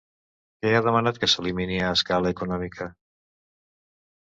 Què ha demanat que s'elimini a escala econòmica?